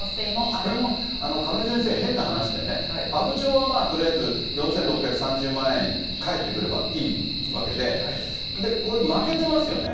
これも亀井先生、変な話でね、阿武町はとりあえず４６３０万円返ってくればいいわけで、これ、負けてますよね。